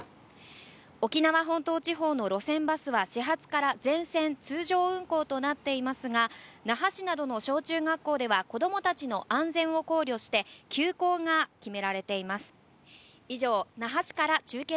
沖縄本島地方の路線バスは始発から通常運行となっておりますが那覇市などの小中学校では子供たちの安全を考慮して休校が決められています。